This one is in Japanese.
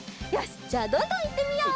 じゃあどんどんいってみよう！